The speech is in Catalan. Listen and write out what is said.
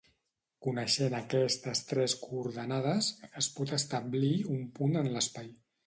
Coneixent aquestes tres coordenades, es pot establir un punt en l'espai.